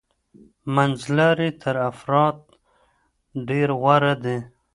منځلاري تر افراط ډیره غوره ده.